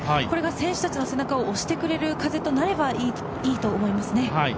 これが選手たちの背中を押してくれる風となってくれればいいと思います。